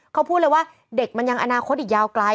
เขาพูดเลยว่าเด็กมันยังอนาคตอีกยาวไกล